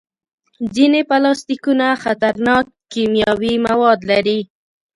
ځینې پلاستيکونه خطرناک کیمیاوي مواد لري.